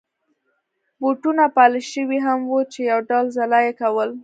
بوټونه پالش شوي هم وو چې یو ډول ځلا يې کول.